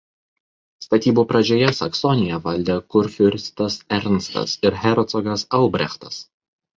Statybų pradžioje Saksoniją valdė kurfiurstas Ernstas ir hercogas Albrechtas.